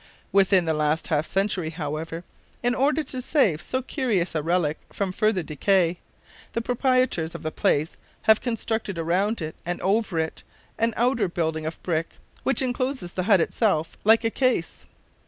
Within the last half century, however, in order to save so curious a relic from farther decay, the proprietors of the place have constructed around and over it an outer building of brick, which incloses the hut itself like a case.